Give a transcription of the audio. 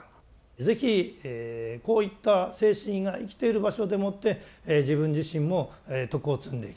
是非こういった精神が生きている場所でもって自分自身も徳を積んでいきたい。